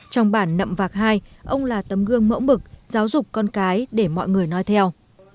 trong bản nậm vạc hai ông là tấm gương mẫu mực giáo dục con cái để mọi người nói theo